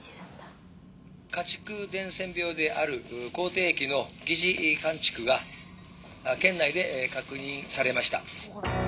家畜伝染病である口てい疫の疑似患畜が県内で確認されました。